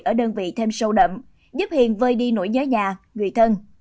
ở đơn vị thêm sâu đậm giúp hiền vơi đi nỗi nhớ nhà người thân